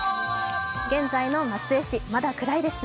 現在の松江市まだ暗いですね。